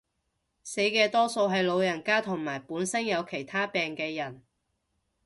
死嘅多數係老人家同本身有其他病嘅人